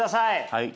はい。